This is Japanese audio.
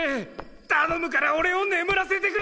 たのむからおれを眠らせてくれ！